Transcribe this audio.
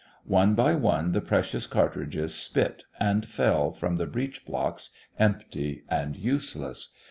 One by one the precious cartridges spit, and fell from the breech blocks empty and useless.